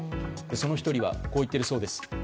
その１人はこう言っているそうです。